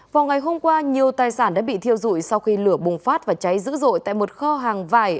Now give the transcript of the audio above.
vào ngày hôm qua nhiều tài sản đã bị thiêu dụi sau khi lửa bùng phát và cháy dữ dội tại một kho hàng vải